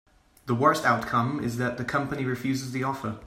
The worst outcome is that the company refuses the offer.